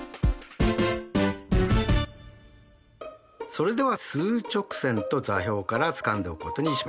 それでは数直線と座標からつかんでおくことにしましょう。